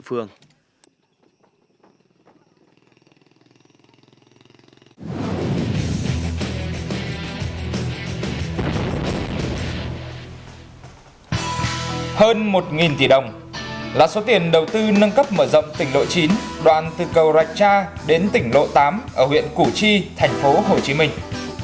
hơn một tỷ đồng là số tiền đầu tư nâng cấp mở rộng tỉnh lộ chín đoàn từ cầu rạch cha đến tỉnh lộ tám ở huyện củ chi thành phố hồ chí minh